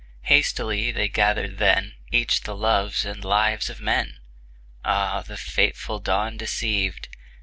Hastily they gathered then Each the loves and lives of men. Ah, the fateful dawn deceived!